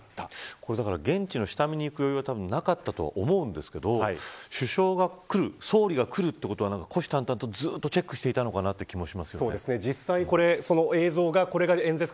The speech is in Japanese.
これ現地の下見に行く余裕はなかったと思うんですけど首相が来るということは虎視眈々とチェックしたと気もしますね。